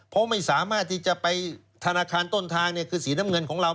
เพราะไม่สามารถที่จะไปธนาคารต้นทางคือสีน้ำเงินของเรา